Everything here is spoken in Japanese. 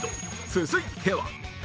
続いては